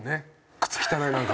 靴汚いなんか。